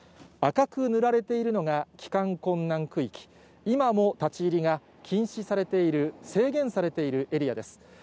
赤く塗られているのが帰還困難区域、今も立ち入りが禁止されている、制限されているエリアです。